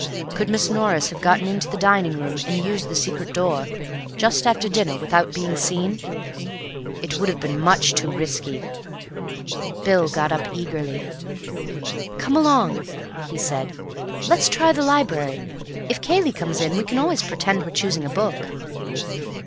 Could Miss Norris have got into the dining room and used the secret door just after dinner without being seen? It would have been much too risky." Bill got up eagerly. "Come along," he said, "let's try the library. If Cayley comes in, we can always pretend we're choosing a book."